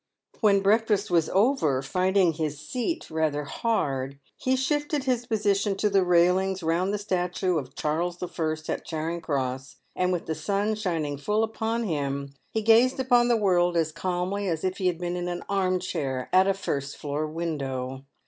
"When breakfast was over, finding his seat rather hard, he shifted his position to the railings round the statue of Charles the First at Charing cross, and with the sun shining full upon him he gazed upon the world as calmly as if he had been in an arm chair at a first floor window.